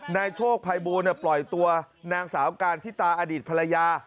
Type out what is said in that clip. นายโชคภัยบูลปล่อยตัวนางสาวการทิตาอดีตภรรยา